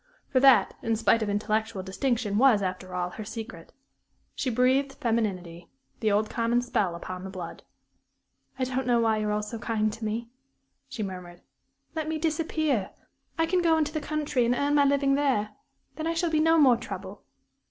For that, in spite of intellectual distinction, was, after all, her secret. She breathed femininity the old common spell upon the blood. "I don't know why you're all so kind to me," she murmured. "Let me disappear. I can go into the country and earn my living there. Then I shall be no more trouble."